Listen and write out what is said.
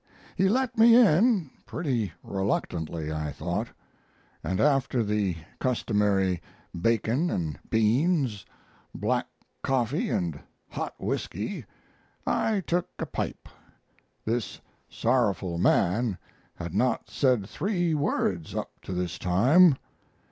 He let me in pretty reluctantly, I thought and after the customary bacon and beans, black coffee and hot whisky, I took a pipe. This sorrowful man had not said three words up to this time.